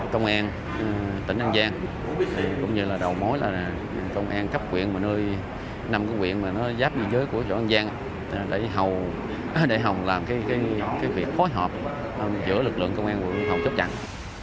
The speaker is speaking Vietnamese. công an tỉnh an giang cũng như là đầu mối là công an cấp quyện mà nơi nằm cái quyện mà nó giáp biên giới của chỗ an giang để hồng làm cái việc khối hợp giữa lực lượng công an của hồng chấp chẳng